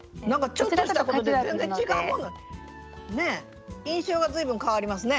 ちょっとしたことで全然違うもんですね印象が随分変わりますね。